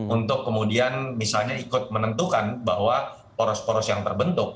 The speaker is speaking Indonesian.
untuk kemudian misalnya ikut menentukan bahwa poros poros yang terbentuk